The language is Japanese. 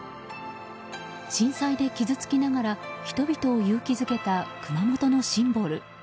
震災で傷つきながら人々を勇気づけた熊本のシンボル。